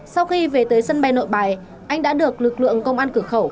sau khi về tới sân bay nội bài anh đã được lực lượng công an cửa khẩu